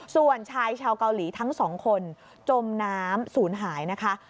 ส่วนชายชาวเกาหลีทั้งสองคนจมน้ำศูนย์หายนะคะ